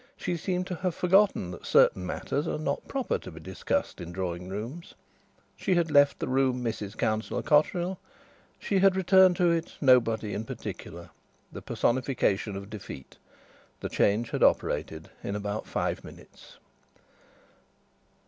She seemed to have forgotten that certain matters are not proper to be discussed in drawing rooms. She had left the room Mrs Councillor Cotterill; she returned to it nobody in particular, the personification of defeat. The change had operated in five minutes.